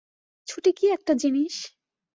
ছুটি কি একটা জিনিস?